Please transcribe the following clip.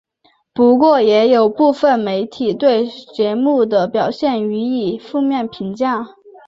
不过也有部分媒体对节目的表现予以负面评价。